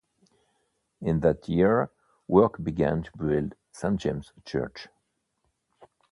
In that year, work began to build Saint James' Church.